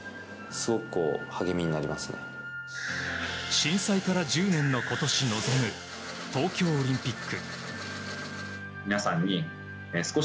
震災から１０年の今年臨む東京オリンピック。